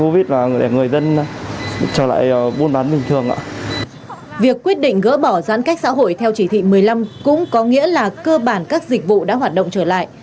việc quyết định gỡ bỏ giãn cách xã hội theo chỉ thị một mươi năm cũng có nghĩa là cơ bản các dịch vụ đã hoạt động trở lại